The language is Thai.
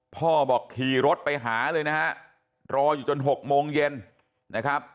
พ่อบอกขี่รถไปหาเลยนะฮะรออยู่จน๖โมงเย็นนะครับ